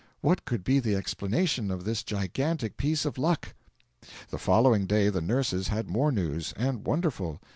What could be the explanation of this gigantic piece of luck? The following day the nurses had more news and wonderful.